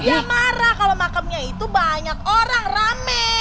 dia marah kalo makamnya itu banyak orang rame